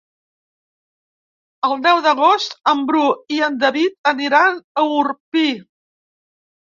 El deu d'agost en Bru i en David aniran a Orpí.